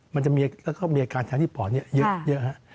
มันจะมีแล้วก็มีอาการทางที่ปอดนี่เยอะครับ